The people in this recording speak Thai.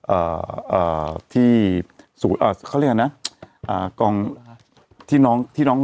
เอ่อเอ่อที่ศูนย์อ่าเขาเรียกอะไรนะอ่ากองที่น้องที่น้อง